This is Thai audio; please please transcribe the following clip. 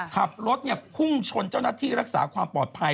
ขับรถพุ่งชนเจ้าหน้าที่รักษาความปลอดภัย